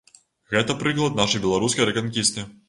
Гэта прыклад нашай беларускай рэканкісты.